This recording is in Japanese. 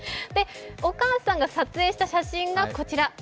お母さんが撮影した写真がこちら。